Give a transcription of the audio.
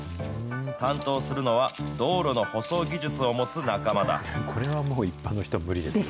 担当するのは道路の舗装技術を持つ仲間だ。